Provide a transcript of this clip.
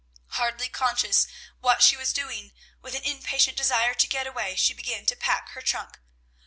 Hardly conscious what she was doing, with an impatient desire to get away, she began to pack her trunk.